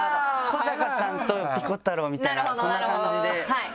古坂さんとピコ太郎みたいなそんな感じで。